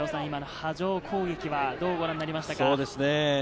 今の波状攻撃はどうご覧になりましたか？